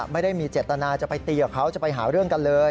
ไม่ได้มีเจตนาจะไปตีกับเขาจะไปหาเรื่องกันเลย